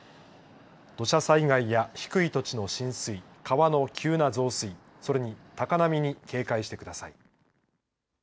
土砂災害や低い土地の浸水川の急な増水それに高波に警戒してください。